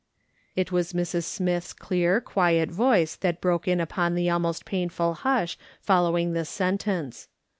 It was Mrs. Smith's clear, quiet voice that broke in upon the almost painful hush following this sentence.